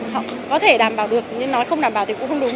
họ có thể đảm bảo được nhưng nó không đảm bảo thì cũng không đúng